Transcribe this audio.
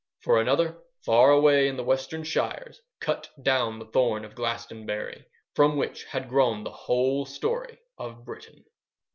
For another, far away in the western shires, cut down the thorn of Glastonbury, from which had grown the whole story of Britain.